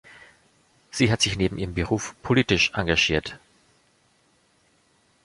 Sie hat sich neben ihrem Beruf politisch engagiert.